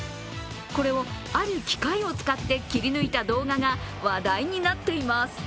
これをある機械を使って切り抜いた動画が話題になっています。